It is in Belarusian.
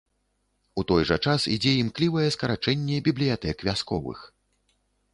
У той жа час ідзе імклівае скарачэнне бібліятэк вясковых.